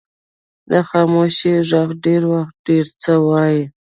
د خاموشۍ ږغ ډېر وخت ډیر څه وایي.